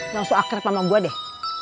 langsung akrab sama gue deh